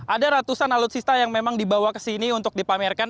ada ratusan alutsista yang memang dibawa ke sini untuk dipamerkan